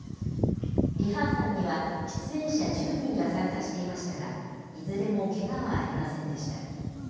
リハーサルには、出演者１０人が参加していましたが、いずれもけがはありませんでした。